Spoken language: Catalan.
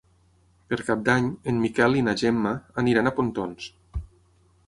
Per Cap d'Any en Miquel i na Gemma aniran a Pontons.